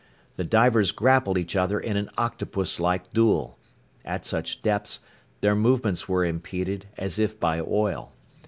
The divers grappled each other in an octopuslike duel. At such depths, their movements were impeded, as if by oil.